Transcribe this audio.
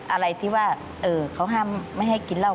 อะไรที่ว่าเขาห้ามไม่ให้กินเหล้า